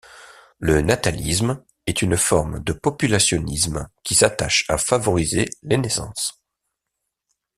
Le natalisme est une forme de populationnisme, qui s'attache à favoriser les naissances.